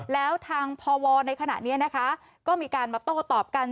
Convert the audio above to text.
แล้วทางพวในขณะนี้นะคะก็มีการมาโต้ตอบกัน